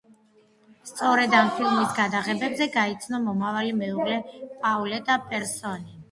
სწორედ ამ ფილმის გადაღებებზე გაიცნო მომავალი მეუღლე პაულეტა პერსონი.